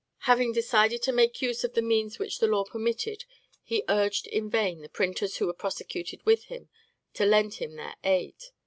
Having decided to make use of the means which the law permitted, he urged in vain the printers who were prosecuted with him to lend him their aid.